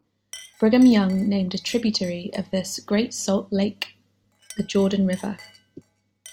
Brigham Young named a tributary of the Great Salt Lake the "Jordan River".